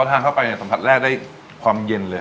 ทานเข้าไปเนี่ยสัมผัสแรกได้ความเย็นเลย